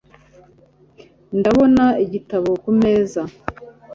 Ndabona igitabo kumeza